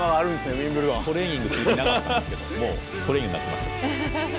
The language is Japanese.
トレーニングする気なかったんですけどもうトレーニングになってました。